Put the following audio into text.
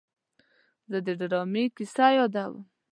زه د ډرامې کیسه یادوم.